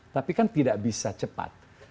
tapi kan tidak bisa cepat